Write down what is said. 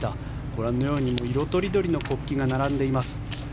ご覧のように色とりどりの国旗が並んでいます。